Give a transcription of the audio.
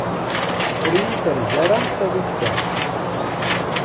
Ur yi-terza ara taluft-a.